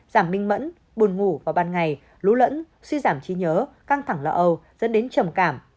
giảm minh mẫn buồn ngủ vào ban ngày lũ lẫn suy giảm trí nhớ căng thẳng lỡ âu dẫn đến trầm cảm